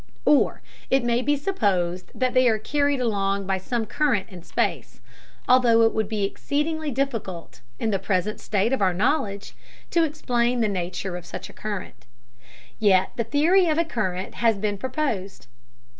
Or it may be supposed that they are carried along by some current in space, although it would be exceedingly difficult, in the present state of our knowledge, to explain the nature of such a current. Yet the theory of a current has been proposed.